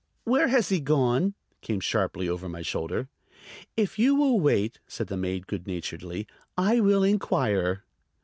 "Where has he gone?" came sharply over my shoulder. "If you will wait," said the maid good naturedly, "I will inquire."